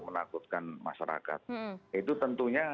menakutkan masyarakat itu tentunya